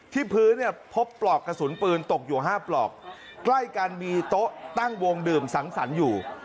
พื้นเนี่ยพบปลอกกระสุนปืนตกอยู่๕ปลอกใกล้กันมีโต๊ะตั้งวงดื่มสังสรรค์อยู่